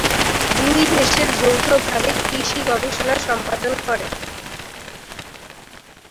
দুই দেশের যৌথভাবে কৃষি গবেষণা সম্পাদন করে।